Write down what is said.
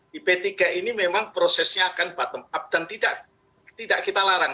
di p tiga ini memang prosesnya akan bottom up dan tidak kita larang